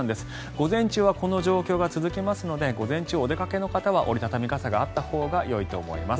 午前中はこの状況が続きますので午前中、お出かけの方は折り畳み傘があったほうがいいと思います。